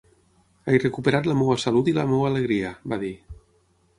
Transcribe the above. "He recuperat la meva salut i la meva alegria", va dir.